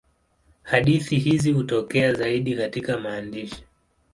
Hadithi hizi hutokea zaidi katika maandishi.